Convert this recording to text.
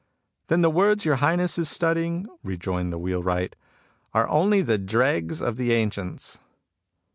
" Then the words your Highness is studying," rejoined the wheelwright, " are only the dregs of the ancients."